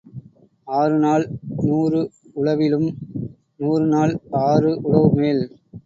ஆறு நாள் நூறு உழவிலும் நூறு நாள் ஆறு உழவு மேல்.